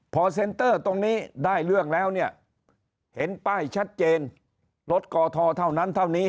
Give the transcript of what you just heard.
พอเซ็นเตอร์ตรงนี้ได้เรื่องแล้วเนี่ยเห็นป้ายชัดเจนรถกอทอเท่านั้นเท่านี้